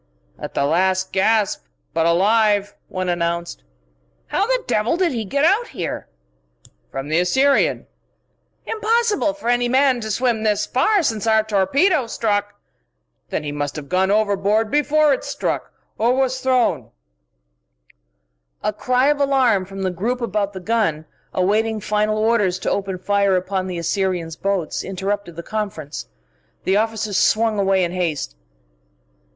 "At the last gasp, but alive," one announced. "How the devil did he get out here?" "From the Assyrian " "Impossible for any man to swim this far since our torpedo struck " "Then he must have gone overboard before it struck or was thrown " A cry of alarm from the group about the gun, awaiting final orders to open fire upon the Assyrian's boats, interrupted the conference. The officers swung away in haste.